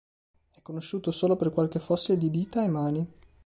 È conosciuto solo per qualche fossile di dita e mani.